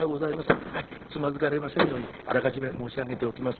つまずかれませんようにあらかじめ申し上げておきます。